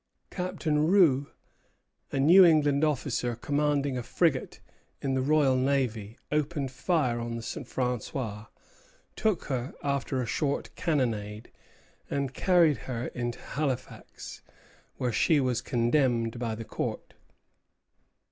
Captain Rous, a New England officer commanding a frigate in the Royal Navy, opened fire on the "St. François," took her after a short cannonade, and carried her into Halifax, where she was condemned by the court.